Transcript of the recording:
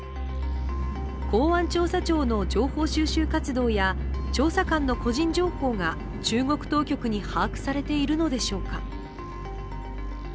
公安調査庁の情報収集活動や調査官の個人情報が中国当局に把握されているのでしょうか。